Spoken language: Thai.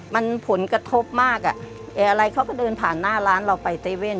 มันผลกระทบมากอ่ะอะไรเขาก็เดินผ่านหน้าร้านเราไปเตเว่น